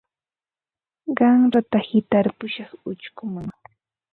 Qanrata hitarpushaq uchkuman.